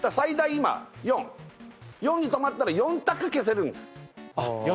今４４に止まったら４択消せるんですあっ